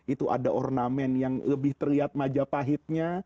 itu ada ornamen yang lebih terlihat majapahitnya